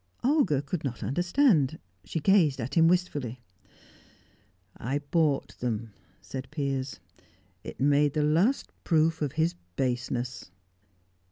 Olga could not understand. She gazed at him wistfully. "I bought them," said Piers. "It made the last proof of his baseness."